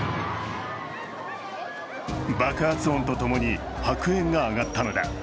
爆発音とともに白煙が上がったのだ。